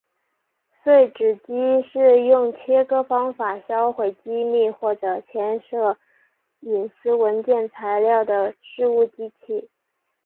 碎纸机是用切割方法销毁机密或者牵涉隐私文件材料的事务机器。